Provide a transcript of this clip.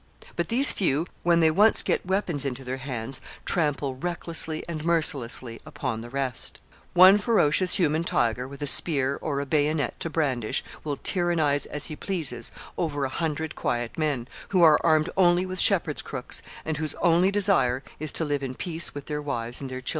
But these few, when they once get weapons into their hands, trample recklessly and mercilessly upon the rest. One ferocious human tiger, with a spear or a bayonet to brandish, will tyrannize as he pleases over a hundred quiet men, who are armed only with shepherds' crooks, and whose only desire is to live in peace with their wives and their children.